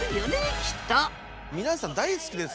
きっと皆さん大好きですから。